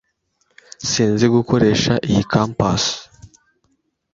Sinzi gukoresha iyi compas.